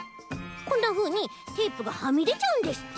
こんなふうにテープがはみでちゃうんですって。